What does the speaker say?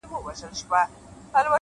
• د خدای لپاره په ژړه نه کيږي ـ ـ